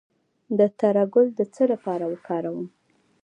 د تره ګل د څه لپاره وکاروم؟